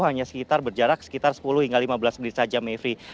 hanya sekitar berjarak sekitar sepuluh hingga lima belas menit saja mevri